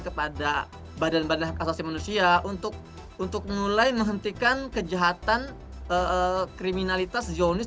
kepada badan badan kasasi manusia untuk mulai menghentikan kejahatan kriminalitas zionis